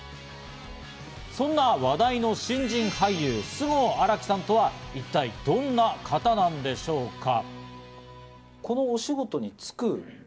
そんな話題の新人俳優・菅生新樹さんとは一体どんな方なんでしょうか？